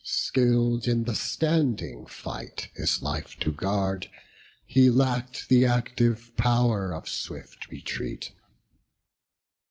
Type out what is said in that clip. Skill'd in the standing fight his life to guard, He lack'd the active pow'r of swift retreat.